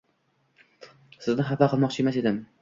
Sizni xafa qilmoqchi emas edim.